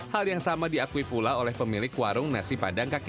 hal yang sama diakui pula oleh pemilik warung nasi padang kaki